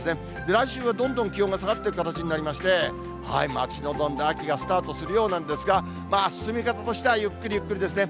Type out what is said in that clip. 来週はどんどん気温が下がっていく形になりまして、待ち望んだ秋がスタートするようなんですが、進み方としてはゆっくりゆっくりですね。